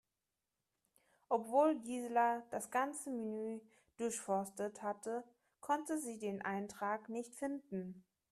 Obwohl Gisela das ganze Menü durchforstet hatte, konnte sie den Eintrag nicht finden.